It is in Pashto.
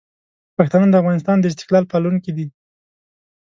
پښتانه د افغانستان د استقلال پالونکي دي.